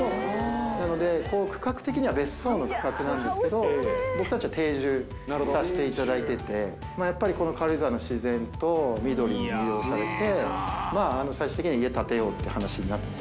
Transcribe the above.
なので、区画的には別荘の区画なんですけど、僕たちは定住させていただいてて、やっぱりこの軽井沢の自然と緑に魅了されて、まあ、最終的には家建てようっていう話になって。